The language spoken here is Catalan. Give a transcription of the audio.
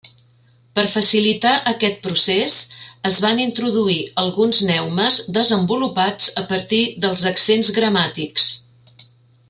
Per facilitar aquest procés, es van introduir alguns neumes desenvolupats a partir dels accents gramàtics.